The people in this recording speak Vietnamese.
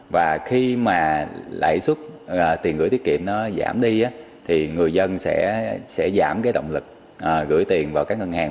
và khi mà lãi suất tiền gửi tiết kiệm nó giảm đi thì người dân sẽ giảm cái động lực gửi tiền vào các ngân hàng